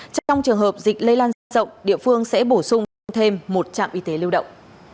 trong trường hợp dịch lây lan diện rộng địa phương sẽ bổ sung thêm một trạm y tế lưu động